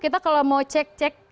kita kalau mau cek cek